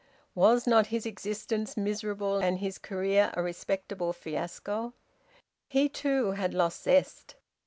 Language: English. Was not his existence miserable and his career a respectable fiasco? He too had lost zest.